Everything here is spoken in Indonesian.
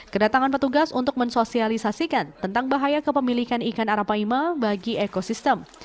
kedatangan petugas untuk mensosialisasikan tentang bahaya kepemilikan ikan arapaima bagi ekosistem